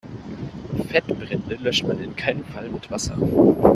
Fettbrände löscht man in keinem Fall mit Wasser.